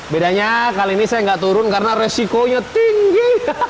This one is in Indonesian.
bedanya kali ini saya nggak turun karena resikonya tinggi